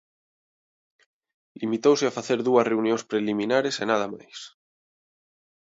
Limitouse a facer dúas reunións preliminares e nada máis.